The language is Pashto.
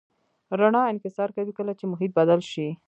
رڼا انکسار کوي کله چې محیط بدل شي.